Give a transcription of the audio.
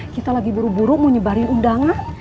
kita lagi buru buru nyebarin undangan